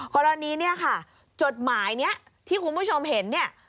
กรณีเนี่ยค่ะจดหมายนี้ที่คุณผู้ชมเห็นเนี่ย